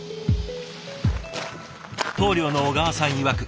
棟梁の小川さんいわく